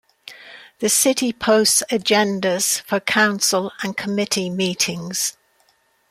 The city posts agendas for Council and committee meetings.